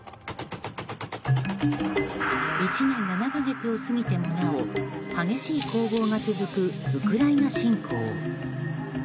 １年７か月を過ぎてもなお激しい攻防が続くウクライナ侵攻。